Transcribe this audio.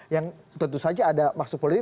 yang tentu saja ada maksud politik